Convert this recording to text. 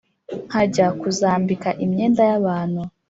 nkajya kuzambika imyenda yabantu